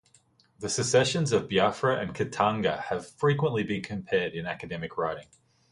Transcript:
The secessions of Biafra and Katanga have frequently been compared in academic writing.